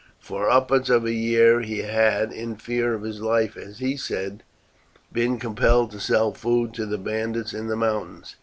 For upwards of a year he had, in fear of his life, as he said, been compelled to sell food to the bandits in the mountains.